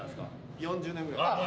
４０年くらい。